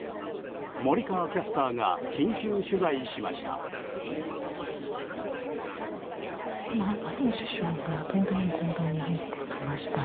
森川キャスターが緊急取材しました。